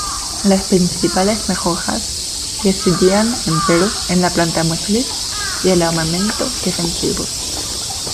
Las principales mejoras residían, empero, en la planta motriz y el armamento defensivo.